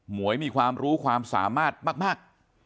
วยมีความรู้ความสามารถมาก